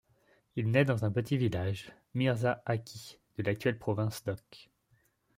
Il naît dans un petit village, Myrza-Aki, de l'actuelle province d'Och.